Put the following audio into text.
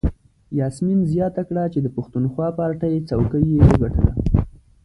یاسمین زیاته کړه چې د پښتونخوا پارټۍ څوکۍ یې وګټله.